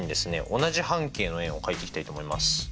同じ半径の円を書いていきたいと思います。